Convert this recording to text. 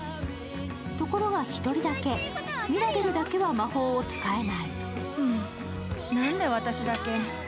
ところが１人だけミラベルだけは魔法を使えない。